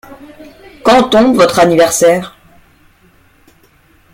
Quand tombe votre anniversaire ?